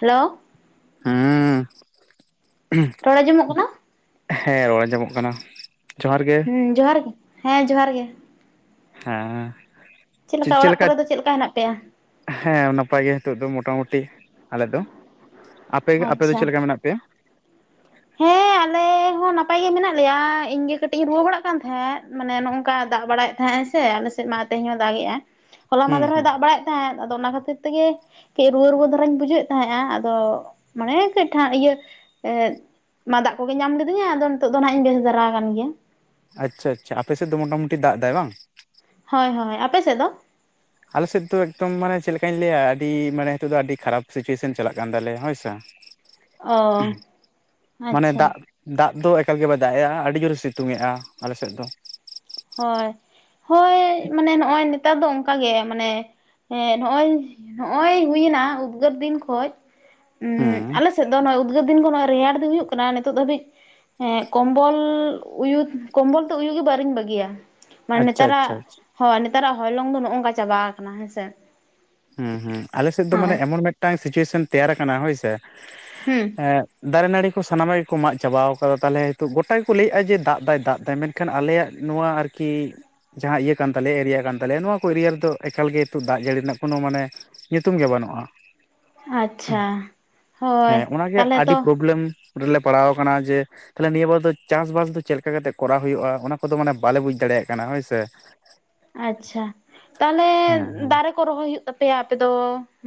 Hello, [unintelligible] ᱨᱚᱲ ᱟᱸᱡᱚᱢᱚᱜ ᱠᱟᱱᱟ ᱦᱮᱸ ᱨᱚᱲ ᱟᱸᱡᱚᱢᱚᱜ ᱠᱟᱱᱟ ᱡᱚᱦᱟᱨ ᱜᱮ᱾ ᱡᱚᱦᱟᱨ ᱜᱮ ᱦᱮᱸ ᱡᱚᱦᱟᱨ ᱜᱮ᱾ ᱦᱮᱸ ᱪᱮᱫ ᱞᱮᱠᱟ ᱚᱲᱟᱜ ᱠᱚᱨᱮ ᱫᱚ ᱪᱮᱫ ᱞᱮᱠᱟ ᱦᱮᱱᱟᱜ ᱯᱮᱭᱟ ᱦᱮᱸ ᱱᱟᱯᱟᱭ ᱜᱮ ᱱᱤᱛᱳ ᱫᱚ ᱢᱚᱴᱟᱢᱩᱴᱤ ᱟᱞᱮ ᱫᱚ ᱟᱯᱮ ᱟᱯᱮ ᱫᱚ ᱟᱪᱪᱷᱟ ᱪᱮᱫ ᱞᱮᱠᱟ ᱢᱮᱱᱟᱜ ᱯᱮ.. [unintelligible] ᱦᱮᱸ ᱟᱞᱮ ᱟᱞᱮ ᱦᱚᱸ ᱱᱟᱯᱟᱭ ᱜᱮ ᱢᱮᱱᱟᱜ ᱞᱮᱭᱟ ᱤᱧ ᱜᱮ ᱠᱟᱹᱴᱤᱡ ᱤᱧ ᱨᱩᱣᱟᱹ ᱵᱟᱲᱟᱜ ᱠᱟᱱ ᱛᱟᱦᱮᱸᱫ ᱢᱟᱱᱮ ᱱᱚᱜᱼᱚᱝᱠᱟ ᱫᱟᱜ ᱵᱟᱲᱟᱭᱮᱫ ᱛᱟᱦᱮᱸᱫ ᱟᱭ ᱥᱮ ᱟᱞᱮᱮᱥᱮᱫ ᱢᱟ ᱛᱮᱦᱮᱧ ᱦᱚᱸ ᱫᱟᱜᱮᱜᱼᱟ ᱦᱚᱞᱟ ᱦᱩᱸ ᱢᱫᱮᱨᱮᱦᱭ ᱦᱩᱸ ᱫᱟᱜ ᱵᱟᱲᱟᱭᱫ ᱛᱟᱦᱮᱸᱫ ᱟᱫᱚ ᱚᱱᱟ ᱠᱷᱟᱹᱛᱤᱨ ᱛᱮᱜᱮ ᱠᱟᱹᱡ ᱨᱩᱣᱟᱹ ᱨᱩᱣᱟᱹ ᱫᱷᱟᱨᱟᱧ ᱵᱩᱡᱷᱣᱮᱫ ᱛᱟᱦᱮᱸᱼᱟ ᱟᱫᱚ ᱢᱟᱱᱮ ᱠᱟᱹᱡ ᱴᱷᱟ ᱤᱭᱟᱹ ᱢᱟᱫᱟᱜ ᱠᱚᱜᱮ ᱧᱟᱢ ᱞᱤᱫᱤᱧᱟ ᱟᱫᱚ ᱱᱤᱛᱚᱜ ᱫᱚ ᱱᱦᱜ ᱤᱧ ᱵᱮᱥ ᱫᱷᱟᱨᱟ ᱟᱠ ᱜᱮᱭᱟ ᱟᱪᱪᱷᱟ ᱟᱪᱪᱷᱟ ᱟᱯᱮ ᱥᱮᱫ ᱫᱚ ᱢᱚᱴᱟᱢᱩᱴᱤ ᱫᱟᱜ ᱮᱟᱭ ᱵᱟᱝ ᱦᱳᱭ ᱦᱳᱭ ᱟᱯᱮᱥᱮᱫ ᱫᱚ ᱟᱞᱮ ᱥᱮᱫ ᱫᱚ ᱮᱠᱫᱚᱢ ᱢᱟᱱᱮ ᱪᱮᱫ ᱞᱮᱠᱟᱧ ᱞᱟᱹᱭᱟ ᱟᱹᱰᱤ ᱢᱟᱱᱮ ᱱᱤᱛᱚᱜ ᱫᱚ ᱟᱹᱰᱤ ᱠᱷᱟᱨᱟᱯ ᱥᱤᱪᱩᱭᱮᱥᱚᱱ ᱪᱟᱞᱟᱜ ᱠᱟᱱ ᱛᱟᱞᱮᱭᱟ ᱦᱳᱭᱥᱮ ᱚ ᱢᱟᱱᱮ ᱟᱪᱪᱷᱟ ᱫᱟᱜ ᱫᱟᱜ ᱫᱚ ᱮᱠᱟᱞ ᱜᱮ ᱵᱟᱭ ᱫᱟᱜ ᱮᱼᱟ ᱟᱹᱰᱤ ᱡᱳᱨᱮ ᱥᱤᱛᱩᱝ ᱮᱼᱟ ᱟᱞᱮ ᱥᱮᱫ ᱫᱚ ᱦᱳᱭ ᱦᱳᱭ ᱢᱟᱱᱮ ᱱᱚᱜᱼᱚᱭ ᱱᱮᱛᱟᱨ ᱫᱚ ᱚᱱᱠᱟᱜ ᱜᱮ ᱢᱟᱱᱮ ᱦᱮᱸ ᱱᱚᱜᱼᱚᱭ ᱦᱚᱸᱜᱼᱚᱭ ᱦᱩᱭᱱᱟ ᱩᱯᱜᱟᱹᱨ ᱫᱤᱱ ᱠᱷᱚᱡ ᱩᱸ ᱦᱩᱸ ᱟᱞᱮ ᱥᱮᱫ ᱫᱚ ᱱᱚᱜᱚᱭ ᱩᱫᱽᱜᱟᱹᱨ ᱫᱤᱱ... ᱫᱚᱜᱚᱭ ᱨᱮᱭᱟᱲ ᱫᱚ ᱦᱩᱭᱩᱜ ᱠᱟᱱᱟ ᱱᱤᱛᱚᱜ ᱫᱷᱟᱹᱵᱤᱡ ᱦᱮᱸ ᱠᱚᱢᱵᱚᱞ ᱩᱭᱩ ᱠᱚᱢᱵᱚᱞ ᱛᱮ ᱩᱭᱩ ᱜᱮ ᱵᱟᱨᱤᱧ ᱵᱟᱹᱜᱤᱭᱟ ᱢᱟᱱᱮ ᱟᱪᱪᱷᱟ ᱱᱮᱛᱟᱨᱟᱜ ᱟᱪᱪᱷᱟ ᱟᱪᱪᱷᱟ ᱦᱳᱭ ᱱᱮᱛᱟᱨᱟᱜ ᱦᱚᱭᱞᱚᱝ ᱫᱚ ᱱᱚᱜᱼ ᱱᱚᱝᱠᱟ ᱪᱟᱵᱟ ᱠᱟᱱᱟ ᱦᱮᱸᱥᱮ ᱦᱚᱸ ᱦᱚᱸ ᱟᱞᱮ ᱥᱮᱫ ᱫᱚ ᱢᱟᱱᱮ ᱦᱳᱭ ᱮᱢᱚᱱ ᱢᱤᱫᱴᱟᱝ ᱥᱤᱪᱩᱭᱮᱥᱚᱱ ᱛᱮᱭᱟᱨ ᱟᱠᱟᱱᱟ ᱦᱳᱭᱥᱮ ᱦᱮᱸ ᱫᱟᱨᱮ ᱱᱟᱹᱲᱤ ᱠᱚ ᱥᱟᱱᱟᱢᱟᱜ ᱜᱮᱠᱚ ᱢᱟᱜ ᱪᱟᱵᱟᱣ ᱟᱠᱟᱫᱟ ᱛᱟᱦᱚᱞᱮ ᱦᱮᱛᱳᱜ ᱜᱚᱴᱟᱠᱚ ᱞᱟᱹᱭᱮᱫᱼᱟ ᱡᱮ ᱫᱟᱜ ᱫᱟᱭ ᱫᱟᱜ ᱫᱟᱭ ᱢᱮᱱ ᱮᱱᱠᱷᱟᱱ ᱟᱞᱮᱭᱟᱜ ᱱᱚᱣᱟ ᱟᱨᱠᱤ ᱡᱟᱦᱟᱸ ᱤᱭᱟᱹ ᱠᱟᱱ ᱛᱟᱞᱮᱭᱟ ᱮᱨᱤᱭᱟ ᱠᱟᱱ ᱛᱟᱞᱮᱭᱟ ᱱᱚᱣᱟ ᱠᱚ ᱮᱨᱤᱭᱟ ᱨᱮᱫᱚ ᱮᱠᱟᱞ ᱜᱮ ᱱᱤᱛᱚᱜ ᱫᱟᱜ ᱡᱟᱹᱲᱤ ᱨᱮᱱᱟᱜ ᱠᱳᱱᱳ ᱢᱟᱱᱮ ᱧᱩᱛᱩᱢ ᱜᱮ ᱵᱟᱹᱱᱩᱜᱼᱟ ᱾ ᱟᱪᱪᱷᱟ ᱦᱳᱭ ᱦᱮᱸ ᱚᱱᱟᱜᱮ ᱛᱟᱦᱚᱞᱮ ᱟᱹᱰᱤ ᱛᱚ ᱯᱨᱚᱵᱞᱮᱢ ᱨᱮᱞᱮ ᱯᱟᱲᱟᱣᱟ ᱠᱟᱱᱟ ᱡᱮ ᱛᱟᱦᱚᱞᱮ ᱱᱤᱭᱟᱹ ᱵᱟᱨ ᱫᱚ ᱪᱟᱥᱵᱟᱥ ᱫᱚ ᱪᱮᱫ ᱞᱮᱠᱟ ᱠᱟᱛᱮᱜ ᱠᱚᱨᱟᱣ ᱦᱩᱭᱩᱜᱼᱟ ᱚᱱᱟ ᱠᱚᱫᱚ ᱢᱟᱱᱮ ᱵᱟᱞᱮ ᱵᱩᱡ ᱫᱟᱲᱮᱭᱟᱜ ᱠᱟᱱᱟ ᱦᱳᱭᱥᱮ ᱟᱪᱪᱷᱟ ᱛᱟᱦᱞᱮ ᱦᱮᱸ ᱦᱮᱸ ᱫᱟᱨᱮ ᱠᱚ ᱨᱚᱦᱚᱭ ᱦᱩᱭᱩᱜ ᱛᱟᱯᱮᱭᱟ ᱟᱯᱮ ᱫᱚ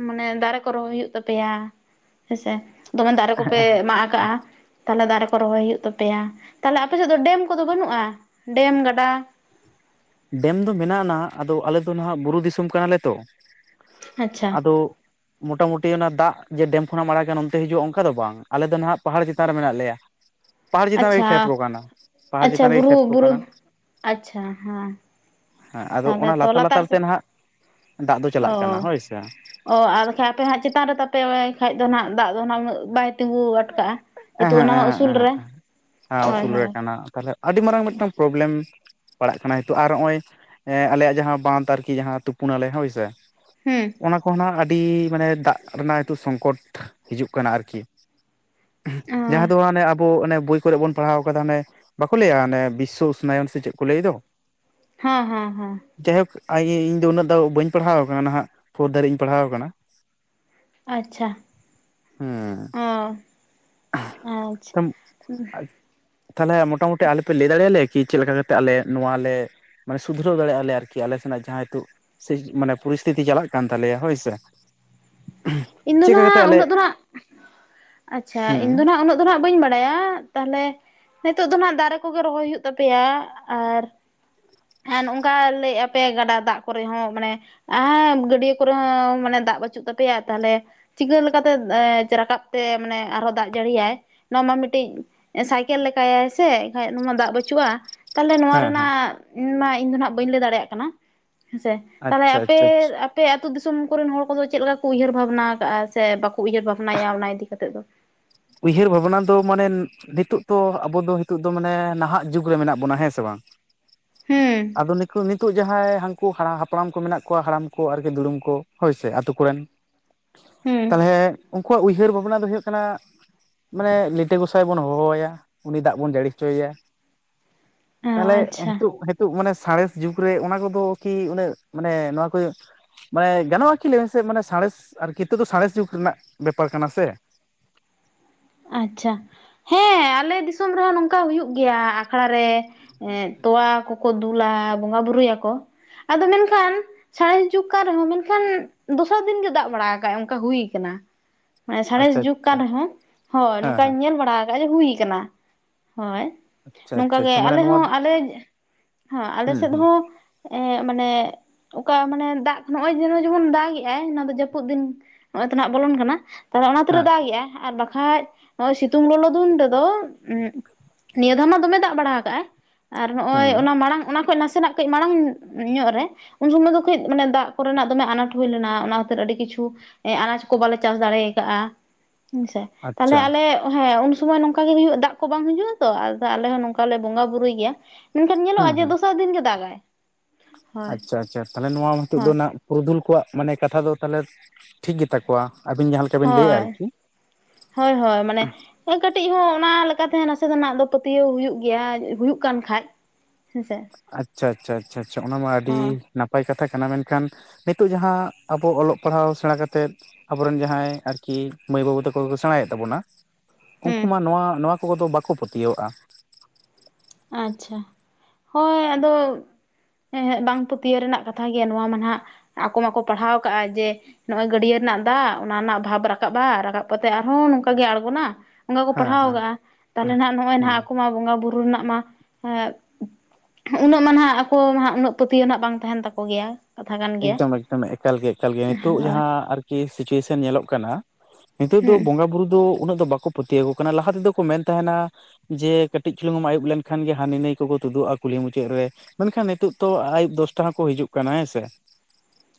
ᱢᱟᱱᱮ ᱫᱟᱨᱮ ᱠᱚ ᱨᱚᱦᱚᱭ ᱦᱩᱭᱩᱜ ᱛᱟᱯᱮᱭᱟ ᱦᱮᱸᱥᱮ ᱫᱚᱢᱮ ᱫᱟᱨᱮ ᱠᱚᱯᱮ ᱢᱟᱜ ᱠᱟᱜᱼᱟ ᱾ ᱛᱟᱦᱚᱞᱮ ᱫᱟᱨᱮ ᱠᱚ ᱨᱚᱦᱚᱭ ᱦᱩᱭᱩᱜ ᱛᱟᱯᱮᱭᱟ ᱛᱟᱦᱚᱞᱮ ᱟᱯᱮ ᱥᱮᱫ ᱫᱚ ᱰᱮᱢ ᱠᱚᱫᱚ ᱵᱟᱹᱱᱩᱜᱼᱟ ᱰᱮᱢ ᱜᱟᱰᱟ ᱾ ᱰᱮᱢ ᱫᱚ ᱢᱮᱱᱟᱜ ᱱᱟᱜ ᱟᱫᱚ ᱟᱞᱮ ᱫᱚ ᱱᱟᱦᱟᱜ ᱵᱩᱨᱩ ᱫᱤᱥᱚᱢ ᱠᱟᱱᱟᱞᱮ ᱛᱚ ᱟᱪᱪᱷᱟ ᱟᱫᱚ ᱢᱚᱴᱟᱢᱩᱴᱤ ᱚᱱᱟ ᱫᱟᱜ ᱡᱮ ᱰᱮᱢ ᱠᱷᱚᱱᱟᱜ ᱮᱢ ᱟᱲᱟᱜᱟ ᱚᱱᱛᱮ ᱦᱤᱡᱩᱜᱼᱟ ᱚᱱᱠᱟ ᱫᱚ ᱵᱟᱝ ᱟᱞᱮ ᱫᱚ ᱱᱟᱦᱟᱜ ᱯᱟᱦᱟᱲ ᱪᱮᱛᱟᱱ ᱨᱮ ᱢᱮᱱᱟᱜ ᱞᱮᱭᱟ ᱾ ᱟᱪᱪᱷᱟ ᱯᱟᱦᱟᱲ ᱟᱪᱪᱷᱟ ᱪᱮᱛᱟᱱ ᱨᱮᱜᱮ ᱵᱩᱨᱩ ᱠᱷᱮᱛ ᱠᱚ ᱵᱩᱨᱩ ᱠᱟᱱᱟ ᱟᱪᱪᱷᱟ ᱦᱮᱸ ᱦᱮᱸ ᱟᱫᱚ ᱛᱟᱦᱚᱞᱮ ᱚᱱᱟ ᱛᱚ ᱞᱟᱛᱟᱨ ᱞᱟᱛᱟᱨ ᱛᱮ ᱥᱮᱫ ᱱᱟᱦᱟᱜ ᱫᱟᱜ ᱫᱚ ᱪᱟᱞᱟᱜ ᱠᱟᱱᱟ ᱚ ᱦᱳᱭᱥᱮ ᱚ ᱟᱨ ᱵᱟᱠᱷᱟᱡ ᱟᱯᱮ ᱦᱟᱸᱜ ᱪᱮᱛᱟᱱ ᱨᱮ ᱛᱟᱯᱮ ᱠᱷᱟᱡ ᱫᱚ ᱱᱟᱜ ᱫᱟᱜ ᱫᱚ ᱱᱟᱜ ᱩᱱᱟᱹᱜ ᱵᱟᱭ ᱛᱤᱸᱜᱩ ᱟᱴᱠᱟᱜᱼᱟ ᱡᱮᱦᱮᱛᱩ ᱮᱦᱮᱸ ᱚᱱᱟ ᱮᱦᱮᱸ ᱩᱥᱩᱞ ᱮᱦᱮᱸ ᱨᱮ ᱦᱮᱸ ᱦᱳᱭ ᱩᱥᱩᱞ ᱨᱮ ᱦᱳᱭ ᱠᱟᱱᱟ ᱛᱟᱦᱚᱞᱮ ᱟᱹᱰᱤ ᱢᱟᱨᱟᱝ ᱢᱤᱫᱴᱟᱝ ᱯᱨᱚᱵᱞᱮᱢ ᱯᱟᱲᱟᱜ ᱠᱟᱱᱟ ᱱᱤᱛᱚᱜ ᱟᱨ ᱱᱚᱜᱼᱚᱭ ᱟᱞᱮᱭᱟᱜ ᱡᱟᱦᱟᱸ ᱵᱟᱸᱫ ᱟᱨᱠᱤ ᱡᱟᱦᱟᱸ ᱛᱩᱯᱩᱱᱟᱞᱮ ᱦᱳᱭᱥᱮ ᱦᱮᱸ ᱚᱱᱟ ᱠᱚ ᱱᱟᱦᱟᱜ ᱟᱹᱰᱤ ᱢᱟᱱᱮ ᱫᱟᱜ ᱨᱮᱱᱟᱜ ᱱᱤᱛᱳᱜ ᱥᱚᱝᱠᱚᱴ ᱦᱤᱡᱩᱜ ᱠᱟᱱᱟ ᱟᱨᱠᱤ ᱡᱟᱦᱟᱸ ᱫᱚ ᱟᱱᱮ ᱟᱵᱚ ᱚᱱᱮ ᱵᱳ ᱠᱚᱨᱮ ᱵᱚᱱ ᱯᱟᱲᱦᱟᱣ ᱟᱠᱟᱫᱟ ᱦᱚᱱᱮ ᱵᱟᱠᱚ ᱞᱟᱹᱭᱟ ᱚᱱᱮ ᱵᱤᱥᱥᱚ ᱩᱥᱱᱟᱚᱭᱚᱱ ᱥᱮ ᱪᱮᱫ ᱠᱚ ᱞᱟᱹᱭ ᱫᱚ ᱦᱮᱸ ᱦᱮᱸ ᱦᱮᱸ ᱡᱟᱭᱦᱳᱠ ᱤᱧ ᱫᱚ ᱩᱱᱟᱹᱜ ᱫᱚ ᱵᱟᱹᱧ ᱯᱟᱲᱦᱟᱣ ᱟᱠᱟᱱᱟ ᱱᱟᱦᱟᱜ ᱯᱷᱳᱨ ᱫᱷᱷᱟᱨᱤᱡ ᱤᱧ ᱯᱟᱲᱦᱟᱣ ᱟᱠᱟᱱᱟ ᱾ ᱟᱪᱪᱷᱟ ᱚ ᱟᱪᱪᱷᱟ ᱛᱢ [inaudible] ᱛᱟᱦᱚᱞᱮ ᱢᱚᱴᱟᱢᱩᱴᱤ ᱟᱞᱮᱯᱮ ᱞᱟᱹᱭ ᱫᱟᱲᱮᱭᱟᱞᱮᱭᱟ ᱠᱤ ᱪᱮᱫ ᱞᱮᱠᱟ ᱠᱟᱛᱮᱮᱫ ᱟᱞᱮ ᱱᱚᱣᱟ ᱞᱮ ᱢᱟᱱᱮ ᱥᱩᱫᱷᱨᱣ ᱫᱟᱲᱮᱭᱟᱜᱼᱟᱞᱮ ᱟᱨᱠᱤ ᱟᱞᱮᱱᱟᱜ ᱡᱟᱦᱟᱸ ᱱᱤᱛᱚᱜ ᱥᱮ ᱢᱟᱱᱮ ᱯᱚᱨᱤᱥᱛᱷᱤᱛᱤ ᱪᱟᱞᱟᱜ ᱠᱟᱱ ᱛᱟᱞᱮᱭᱟ ᱦᱳᱭᱥᱮ ᱤᱧᱫᱚ ᱱᱟᱜ ᱩᱱᱟᱹᱜ ᱫᱚ ᱱᱟᱜ ᱟᱪᱪᱷᱟ ᱦᱮᱸ ᱤᱧᱫᱚ ᱱᱟᱜ ᱩᱱᱟᱹᱜ ᱫᱚ ᱱᱟᱜ ᱵᱟᱹᱧ ᱵᱟᱲᱟᱭᱟ ᱛᱟᱦᱚᱞᱮ ᱱᱤᱛᱳᱜ ᱫᱚ ᱱᱟᱜ ᱫᱟᱨᱮ ᱠᱚᱜᱮ ᱨᱚᱦᱚᱭ ᱦᱩᱭᱩᱜ ᱛᱟᱯᱮᱭᱟ ᱟᱨ ᱦᱚᱸ ᱱᱚᱝᱠᱟ ᱞᱟᱹᱭᱮᱫᱼᱟᱮ ᱟᱯᱮᱭᱟ ᱜᱟᱰᱟ ᱫᱟᱜ ᱠᱚᱨᱮ ᱦᱚᱸ ᱢᱟᱱᱮ ᱟ ᱜᱟᱹᱰᱭᱟᱹ ᱠᱚᱨᱮ ᱦᱚᱸ ᱢᱟᱱᱮ ᱫᱟᱜ ᱵᱟᱹᱪᱩᱜ ᱛᱟᱯᱮᱭᱟ ᱾ ᱛᱟᱦᱚᱞᱮ ᱪᱤᱠᱟᱹ ᱞᱮᱠᱟ ᱛᱮ ᱨᱟᱠᱟᱵ ᱛᱮ ᱢᱟᱱᱮ ᱟᱨᱦᱚᱸ ᱫᱟᱜ ᱡᱟᱹᱲᱤᱭᱟᱭ ᱱᱚᱣᱟ ᱢᱟ ᱢᱤᱫᱴᱤᱡ ᱥᱟᱭᱠᱮᱞ ᱞᱮᱠᱟᱭ ᱥᱮ ᱮᱱᱠᱷᱟᱡ ᱱᱚᱣᱟ ᱢᱟ ᱫᱟᱜ ᱵᱟᱹᱪᱩᱜᱼᱟ ᱛᱟᱦᱚᱞᱮ ᱱᱚᱣᱟ ᱦᱮᱸ ᱦᱮᱸ ᱨᱮᱱᱟᱜ ᱢᱟ ᱤᱧ ᱫᱚ ᱱᱟᱜ ᱵᱟᱹᱧ ᱞᱟᱹᱭ ᱫᱟᱲᱮᱭᱟᱜ ᱠᱟᱱᱟ ᱦᱮᱸᱥᱮ ᱛᱟᱦᱞᱮ ᱟᱪᱪᱷᱟ ᱟᱯᱮ ᱟᱪᱪᱷᱟ ᱟᱪᱪᱷᱟ ᱟᱯᱮ ᱟᱹᱛᱩ ᱫᱤᱥᱚᱢ ᱠᱚ ᱨᱮᱱ ᱦᱚᱲ ᱠᱚᱫᱚ ᱪᱮᱫ ᱞᱮᱠᱟ ᱠᱚ ᱩᱭᱦᱟᱹᱨ ᱵᱷᱟᱵᱽᱱᱟ ᱠᱟᱜᱼᱟ ᱥᱮ ᱵᱟᱠᱚ ᱩᱭᱦᱟᱹᱨ ᱵᱷᱟᱵᱽᱱᱟᱭᱟ ᱚᱱᱟ ᱤᱫᱤ ᱠᱟᱛᱮᱫ ᱫᱚ ᱩᱭᱦᱟᱹᱨ ᱵᱷᱟᱵᱽᱱᱟ ᱫᱚ ᱢᱟᱱᱮ ᱱᱤᱛᱳᱜ ᱛᱚ ᱟᱵᱚ ᱫᱚ ᱱᱤᱛᱚᱜ ᱫᱚ ᱢᱟᱱᱮ ᱱᱟᱦᱟᱜ ᱡᱩᱜᱽ ᱨᱮ ᱢᱮᱱᱟᱜ ᱵᱚᱱᱟ ᱦᱮᱸ ᱥᱮ ᱵᱟᱝ ᱦᱩᱸ ᱟᱫᱚ ᱱ ᱱᱤᱛᱳᱜ ᱡᱟᱦᱟᱸᱭ ᱦ [inaudible] ᱩᱱᱠᱩ ᱦᱟᱲᱟᱢ ᱦᱟᱯᱲᱟᱢ ᱠᱚ ᱢᱮᱱᱟᱜ ᱠᱚᱣᱟ ᱦᱟᱲᱟᱢ ᱠᱚ ᱟᱨᱠᱤ ᱫᱩᱲᱩᱢ ᱠᱚ ᱦᱳᱭᱥᱮ ᱟᱹᱛᱩ ᱠᱚ ᱨᱮᱱ ᱦᱩᱸ ᱛᱟᱦᱚᱞᱮ ᱩᱱᱠᱩᱣᱟᱜ ᱩᱭᱦᱟᱹᱨ ᱵᱷᱟᱵᱽᱱᱟ ᱫᱚ ᱦᱩᱭᱩᱜ ᱠᱟᱱᱟ ᱢᱟᱱᱮ ᱞᱤᱴᱟᱹ ᱜᱚᱸᱥᱟᱭ ᱵᱚᱱ ᱦᱚᱦᱚᱣᱟᱭᱟ ᱩᱱᱤ ᱫᱟᱜ ᱵᱚᱱ ᱡᱟᱹᱲᱤ ᱦᱚᱪᱚᱭᱮᱭᱟ ᱛᱟᱦᱚᱞᱮ ᱟᱪᱪᱷᱟ ᱦᱤᱛᱳᱜ [inaudible] ᱦ ᱢᱟᱱᱮ ᱥᱟᱬᱮᱥ ᱡᱩᱜᱽ ᱨᱮ ᱚᱱᱟ ᱠᱚᱫᱚ ᱠᱤ ᱩᱱᱟᱹᱜ ᱢᱟᱱᱮ ᱱᱚᱣᱟ ᱠᱚ ᱢᱟᱱᱮ ᱜᱟᱱᱚᱜᱼᱟ ᱠᱤ ᱞᱟᱹᱭ ᱢᱮᱥᱮ ᱢᱟᱱᱮ ᱥᱟᱬᱮᱥ ᱟᱨ ᱠᱨᱠᱤ ᱫᱚ ᱥᱟᱬᱮᱥ ᱡᱩᱜᱽ ᱨᱮᱱᱟᱜ ᱵᱮᱯᱟᱨ ᱠᱟᱱᱟ ᱥᱮ ᱟᱪᱪᱷᱟ ᱦᱮᱸ ᱟᱞᱮ ᱫᱤᱥᱚᱢ ᱨᱮᱦᱚᱸ ᱱᱚᱝᱠᱟ ᱦᱩᱭᱩᱜ ᱜᱮᱭᱟ ᱟᱠᱷᱲᱟ ᱨᱮ ᱛᱚᱣᱟ ᱠᱚᱠᱚ ᱫᱩᱞᱟ ᱵᱚᱸᱜᱟ ᱵᱩᱨᱩᱭᱟ ᱠᱚ ᱟᱫᱚ ᱢᱮᱱᱠᱷᱟᱱ ᱥᱮᱬᱮᱥ ᱡᱩᱜᱽ ᱠᱟᱱᱟᱜ ᱨᱮᱦᱚᱸ ᱢᱮᱱᱠᱷᱟᱱ ᱫᱚᱥᱟᱨ ᱫᱤᱱ ᱜᱮᱭ ᱫᱟᱜ ᱵᱟᱲᱟ ᱠᱟᱜ ᱚᱱᱠᱟ ᱦᱩᱭ ᱠᱟᱱᱟ ᱢᱟᱱᱮ ᱥᱟᱬᱮᱥ ᱟᱪᱪᱷᱟ ᱡᱩᱜᱽ ᱠᱟᱱ ᱟᱪᱪᱷᱟ ᱨᱮᱦᱚᱸ ᱦᱳᱭ ᱦᱮᱸ ᱱᱚᱝᱠᱟᱧ ᱦᱮᱸ ᱧᱮᱞ ᱵᱟᱲᱟ ᱟᱠᱟᱫ ᱡᱮ ᱦᱩᱭ ᱟᱠᱟᱱᱟ ᱦᱳᱭ ᱟᱪᱪᱷᱟ ᱱᱚᱝᱠᱟ ᱟᱪᱪᱷᱟ ᱜᱮ ᱟᱪᱪᱷᱟ ᱢᱟᱱᱮ ᱟᱞᱮ ᱱᱚᱣᱟ ᱦᱚᱸ ᱟᱞᱮ ᱦᱮᱸ ᱟᱞᱮ ᱦᱩᱸ ᱥᱮᱫ ᱦᱩᱸ ᱦᱚᱸ ᱮ ᱢᱟᱱᱮ ᱚᱠᱟ ᱢᱟᱱᱮ ᱫᱟᱜ ᱱᱚᱜᱼᱚᱭ ᱡᱚᱭ ᱡᱮᱢᱚᱱ ᱫᱟᱜ ᱮᱜ ᱟᱭ ᱚᱱᱟ ᱫᱚ ᱡᱟᱹᱯᱩᱫ ᱫᱤᱱ ᱱᱚᱜᱼᱚᱭ ᱛᱚ ᱱᱟᱜ ᱵᱚᱞᱚᱱ ᱠᱟᱱᱟ ᱛᱟᱦᱞᱮ ᱚᱱᱟ... ᱛᱞᱮ ᱦᱮᱸ ᱫᱟᱜ ᱮᱜᱼᱟ ᱟᱨ ᱵᱟᱠᱷᱟᱡ ᱱᱚᱜᱚᱭ ᱥᱤᱛᱩᱝ ᱞᱚᱞᱚ ᱫᱤᱱ ᱨᱮᱫᱚ ᱱᱤᱭᱟᱹ ᱫᱚ ᱢᱟ ᱫᱚᱢᱮ ᱫᱟᱜ ᱵᱟᱲᱟ ᱟᱠᱟᱜ ᱟᱭ ᱟᱨ ᱱᱚᱜᱼᱚᱭ ᱦᱮᱸ ᱚᱱᱟ ᱢᱟᱲᱟᱝ ᱚᱱᱟ ᱠᱷᱚᱱ ᱱᱟᱥᱮᱱᱟᱜ ᱠᱚ ᱠᱟᱹᱡ ᱢᱟᱲᱟᱝ ᱧᱚᱜ ᱨᱮ ᱩᱱ ᱥᱚᱢᱚᱭ ᱫᱚ ᱠᱟᱹᱡ ᱢᱟᱱᱮ ᱫᱟᱜ ᱠᱚ ᱨᱮᱱᱟᱜ ᱫᱚᱢᱮ ᱟᱱᱟᱴ ᱦᱩᱭ ᱞᱮᱱᱟ ᱚᱱᱟ ᱠᱷᱟᱹᱛᱤᱨ ᱟᱹᱰᱤ ᱠᱤᱪᱷᱩ ᱟᱱᱟᱡ ᱠᱚ ᱵᱟᱞᱮ ᱪᱟᱥ ᱫᱟᱲᱮ ᱠᱟᱜᱼᱟ ᱦᱮᱸᱥᱮ ᱛᱟᱦᱚᱞᱮ ᱟᱪᱪᱷᱟ ᱟᱞᱮ ᱦᱮᱸ ᱩᱱ ᱥᱚᱢᱚᱭ ᱱᱚᱝᱠᱟ ᱜᱮ ᱦᱩᱭᱩᱜᱼᱟ ᱫᱟᱜ ᱠᱚ ᱵᱟᱝ ᱦᱩᱭᱩᱜᱼᱟ ᱛᱚ ᱟᱞᱮ ᱦᱚᱸ ᱱᱚᱝᱠᱟ ᱞᱮ ᱵᱚᱸᱜᱟ ᱵᱩᱨᱩᱭ ᱜᱮᱭᱟ ᱢᱮᱱᱠᱷᱟᱱ ᱦᱩᱸ ᱧᱮᱞᱚᱜᱼᱟ ᱡᱮ ᱦᱩᱸ ᱫᱚᱥᱟᱨ ᱫᱤᱱ ᱜᱮ ᱫᱟ ᱜᱟᱭ ᱟᱪᱪᱷᱟ ᱟᱪᱪᱷᱟ ᱛᱟᱦᱚᱞᱮ ᱱᱚᱣᱟ ᱱᱤᱛᱳ ᱫᱚ ᱦᱳᱭ ᱱᱟᱜ ᱯᱩᱨᱩᱫᱷᱩᱞ ᱠᱚᱣᱟᱜ ᱢᱟᱱᱮ ᱠᱟᱛᱷᱟ ᱫᱚ ᱛᱟᱦᱚᱞᱮ ᱴᱷᱤᱠ ᱜᱮᱛᱟ ᱠᱚᱣᱟ ᱟᱵᱤᱱ ᱡᱟᱦᱟᱸ ᱞᱮᱠᱟ ᱵᱤᱱ ᱞᱟᱹᱭᱮᱜᱼᱟ ᱦᱳᱭ ᱟᱨᱠᱤ ᱦᱳᱭ ᱦᱳᱭ ᱢᱟᱱᱮ ᱠᱟᱹᱴᱤᱡ ᱦᱚᱸ ᱚᱱᱟ ᱞᱮᱠᱟ ᱛᱮ ᱱᱟᱥᱮ ᱱᱟᱦᱟᱜ ᱫᱚ ᱯᱟᱹᱛᱭᱟᱹᱣ ᱦᱩᱭᱩᱜ ᱜᱮᱭᱟ ᱦᱩᱭᱩᱜ ᱠᱟᱱ ᱠᱷᱟᱡ ᱦᱮᱸᱥᱮ ᱟᱪᱪᱷᱟ ᱟᱪᱪᱷᱟ ᱟᱪᱪᱷᱟ ᱚᱱᱟ ᱢᱟ ᱟᱹᱰᱤ ᱦᱳᱭ ᱱᱟᱯᱟᱭ ᱠᱟᱛᱷᱟ ᱠᱟᱱᱟ ᱢᱮᱱᱠᱷᱟᱱ ᱱᱤᱛᱚᱜ ᱡᱟᱦᱟᱸ ᱟᱵᱚ ᱚᱞᱚᱜ ᱯᱟᱲᱦᱟᱣ ᱥᱮᱬᱟ ᱠᱟᱛᱮᱫ ᱟᱵᱚᱨᱮᱱ ᱡᱟᱦᱟᱸᱭ ᱟᱨᱠᱤ ᱢᱟᱹᱭ ᱵᱟᱹᱵᱩ ᱛᱟᱠᱚ ᱠᱚ ᱥᱮᱬᱟᱭᱮᱫ ᱛᱟᱵᱚᱱᱟ ᱩᱱᱠᱩ ᱦᱩᱸ ᱢᱟ ᱱᱚᱣᱟ ᱱᱚᱣᱟ ᱠᱚ ᱫᱚ ᱵᱟᱠᱚ ᱯᱟᱹᱛᱭᱟᱹᱣᱟᱜᱼᱟ ᱾ ᱟᱪᱪᱷᱟ ᱦᱳᱭ ᱟᱫᱚ ᱵᱟᱝ ᱯᱟᱹᱛᱭᱟᱹᱣ ᱨᱮᱱᱟᱜ ᱠᱟᱛᱷᱟ ᱜᱮᱭᱟ ᱱᱚᱣᱟ ᱢᱟ ᱟᱜ ᱟᱠᱚ ᱢᱟᱠᱚ ᱯᱟᱲᱦᱟᱣ ᱠᱟᱜᱼᱟ ᱡᱮ ᱱᱚᱜᱼᱚᱭ ᱜᱟᱹᱰᱭᱟᱹ ᱨᱮᱱᱟᱜ ᱫᱟᱜ ᱚᱱᱟ ᱨᱮᱱᱟᱜ ᱵᱷᱟᱵᱽ ᱨᱟᱠᱟᱵᱼᱟ ᱨᱟᱠᱟᱵ ᱠᱟᱛᱮᱜ ᱟᱨᱦᱚᱸ ᱱᱚᱝᱠ ᱜᱮ ᱟᱲᱜᱚᱱᱟ ᱾ ᱚᱱᱠᱟ ᱠᱚ ᱦᱮᱸ ᱯᱟᱲᱦᱟᱣ ᱦᱮᱸ ᱟᱠᱟᱜᱼᱟ ᱛᱟᱦᱚᱞᱮ ᱱᱟᱦᱟᱜ ᱱᱚᱜᱼᱚᱭ ᱦᱮᱸ ᱱᱟᱦᱟᱜ ᱟᱠᱚ ᱢᱟ ᱵᱚᱸᱜᱟ ᱵᱩᱨᱩ ᱨᱮᱱᱟᱜ ᱩᱱᱟᱹᱜ ᱢᱟ ᱱᱟᱦᱟᱜ ᱟᱠᱚ ᱢᱟ ᱩᱱᱟᱹᱜ ᱯᱟᱹᱛᱭᱟᱹᱣ ᱦᱟᱜ ᱵᱟᱝ ᱛᱟᱦᱮᱸᱱ ᱛᱟᱠᱚ ᱜᱮᱭᱟ ᱠᱟᱛᱷᱟ ᱠᱟᱱ ᱜᱮᱭᱟ ᱮᱠᱫᱚᱢ ᱮᱠᱫᱚᱢ ᱮᱠᱟᱞ ᱜᱮ ᱮᱠᱟᱞ ᱜᱮ ᱱᱤᱛᱚᱜ ᱦᱳᱭ ᱡᱟᱦᱟᱸ ᱟᱨᱠᱤ ᱥᱤᱪᱩᱭᱮᱥᱚᱱ ᱧᱮᱞᱚᱜ ᱠᱟᱱᱟ ᱱᱤᱛᱚᱜ ᱫᱚ ᱦᱩᱸ ᱵᱚᱸᱜᱟ ᱵᱩᱨᱩ ᱫᱚ ᱩᱱᱟᱹᱜ ᱫᱚ ᱵᱟᱠᱚ ᱯᱟᱹᱛᱭᱟᱹᱣ ᱟᱠᱚ ᱠᱟᱱᱟ ᱞᱟᱦᱟ ᱛᱮᱫᱚ ᱠᱚ ᱢᱮᱱ ᱛᱟᱦᱮᱸᱱᱟ ᱡᱮ ᱠᱟᱹᱴᱤᱡ ᱪᱩᱞᱩᱝ ᱮᱢ ᱟᱹᱩᱵ ᱞᱮᱱ ᱠᱷᱟᱱ ᱜᱮ ᱦᱟᱹᱱᱤ ᱱᱟᱹᱭ ᱠᱚᱠᱚ ᱛᱩᱫᱩᱜᱼᱟ ᱠᱩᱞᱦᱤ ᱢᱩᱪᱟᱹᱫ ᱨᱮ ᱢᱮᱱᱠᱷᱟᱱ ᱱᱤᱛᱚᱜ ᱛᱚ ᱟᱹᱭᱩᱵ ᱫᱚᱥᱴᱟ ᱦᱚᱸᱠᱚ ᱦᱤᱡᱩᱜ ᱠᱟᱱᱟ ᱦᱮᱸ ᱥᱮ